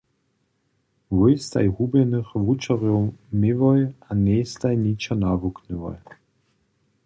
Wój staj hubjenych wučerjow měłoj a njejstaj ničo nawuknyłoj.